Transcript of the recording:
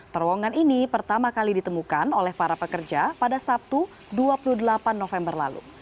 terowongan ini pertama kali ditemukan oleh para pekerja pada sabtu dua puluh delapan november lalu